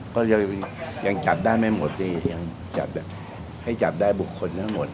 ก็ยังจับได้ไม่หมดที่ยังจับแบบให้จับได้บุคคลทั้งหมด